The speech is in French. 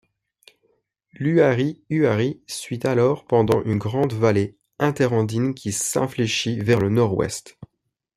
L'Huari Huari suit alors pendant une grande vallée interandine qui s'infléchit vers le nord-ouest.